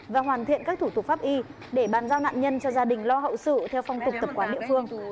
và hoàn thiện các thủ tục pháp y để bàn giao nạn nhân cho gia đình lo hậu sự theo phong tục tập quán địa phương